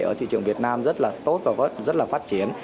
ở thị trường việt nam rất là tốt và rất là phát triển